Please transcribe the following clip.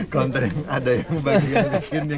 konten ada yang bagian bikinnya